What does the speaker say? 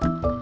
ya udah deh